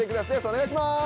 お願いします！